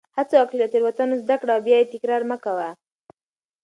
هڅه وکړه چې له تېروتنو زده کړه او بیا یې تکرار مه کوه.